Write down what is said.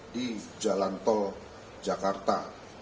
di jalan tol jakarta